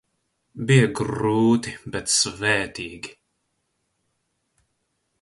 Bija grūti, bet svētīgi.